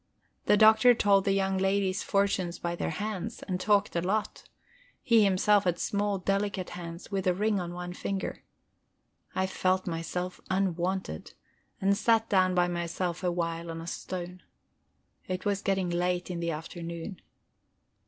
The Doctor told the young ladies' fortunes by their hands, and talked a lot; he himself had small, delicate hands, with a ring on one finger. I felt myself unwanted, and sat down by myself awhile on a stone. It was getting late in the afternoon.